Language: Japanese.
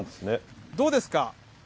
どうですか？